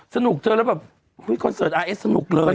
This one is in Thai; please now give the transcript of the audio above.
สนุกเธอคอนเสิร์ตอาร์เอสสนุกเลย